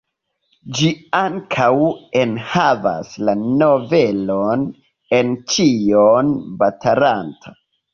Ĝi ankaŭ enhavas la novelon "En Ĉinio batalanta".